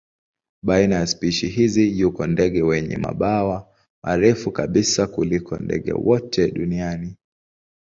Baina ya spishi hizi yuko ndege wenye mabawa marefu kabisa kuliko ndege wote duniani.